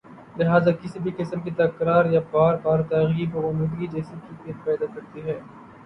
لہذا کسی بھی قسم کی تکرار یا بار بار ترغیب غنودگی جیسی کیفیت پیدا کرتی ہے